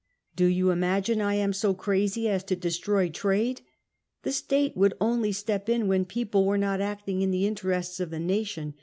Do you imagine I am so crazy as to destroy trade? The State would only step in when people were not acting in the interests of the nation.